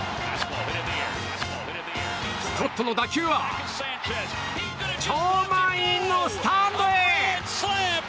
ストットの打球は超満員のスタンドへ！